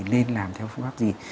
nên làm theo phương pháp gì